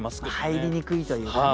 入りにくいというかね。